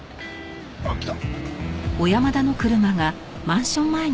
あっ来た！